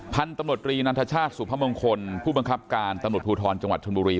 พันธุ์ตำรวจรีนันทชาติสุพมงคลผู้บังคับการตำรวจภูทรจังหวัดชนบุรี